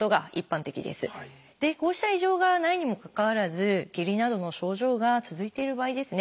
こうした異常がないにもかかわらず下痢などの症状が続いている場合ですね